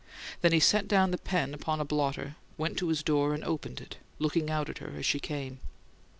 Then he set down the pen upon a blotter, went to his door, and opened it, looking out at her as she came.